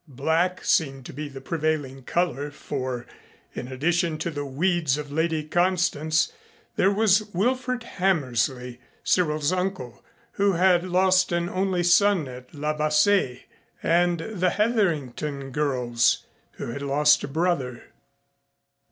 Black seemed to be the prevailing color, for, in addition to the weeds of Lady Constance, there was Wilfred Hammersley, Cyril's uncle, who had lost an only son at La Bassée, and the Heatherington girls, who had lost a brother.